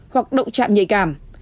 hoặc động trạm nhạy cảm